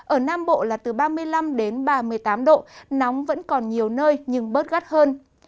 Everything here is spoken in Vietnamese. ở nam bộ là từ ba mươi năm đến ba mươi tám độ nóng vẫn còn nhiều nơi nhưng bớt gắt hơn